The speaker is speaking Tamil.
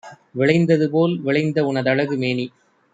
விளைந்ததுபோல் விளைந்தஉன தழகு மேனி